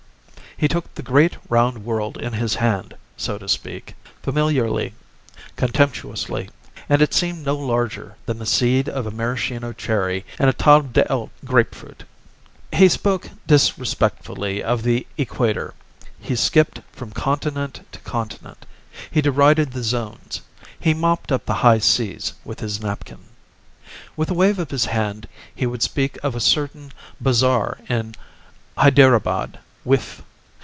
He took the great, round world in his hand, so to speak, familiarly, contemptuously, and it seemed no larger than the seed of a Maraschino cherry in a table d'hôte grape fruit. He spoke disrespectfully of the equator, he skipped from continent to continent, he derided the zones, he mopped up the high seas with his napkin. With a wave of his hand he would speak of a certain bazaar in Hyderabad. Whiff!